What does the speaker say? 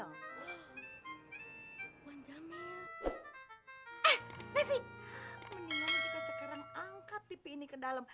mendingan kita sekarang angkat pipi ini ke dalam